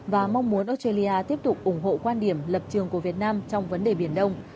và mong muốn australia tiếp tục ủng hộ quan điểm lập trường của việt nam trong vấn đề biển đông